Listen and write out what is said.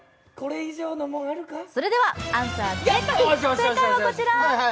正解はこちら。